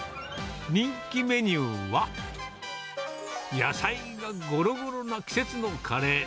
人気メニューは、野菜ごろごろな季節のカレー。